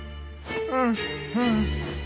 うんうん。